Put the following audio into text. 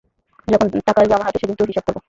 যখন টাকা আসবে আমার হাতে, সেদিন তোর হিসেব করব।